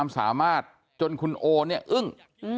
สามารถจนคุณโอเนี่ยอึ้ง